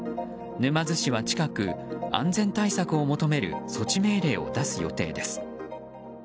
沼津市は近く、安全対策を求める措置命令を出す予定です。